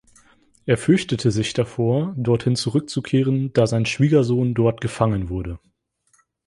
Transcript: Er fürchtet sich davor, dorthin zurückzukehren, da sein Schwiegersohn dort gefangen wurde.